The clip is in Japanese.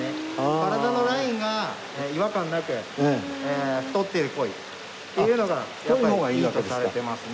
体のラインが違和感なく太ってる鯉っていうのがいいとされてますね。